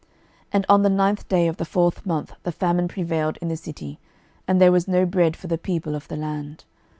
12:025:003 And on the ninth day of the fourth month the famine prevailed in the city, and there was no bread for the people of the land.